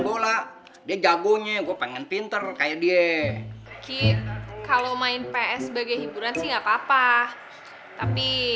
bola dia jagonya gua pengen pinter kayak dia ki kalau main ps sebagai hiburan sih gapapa tapi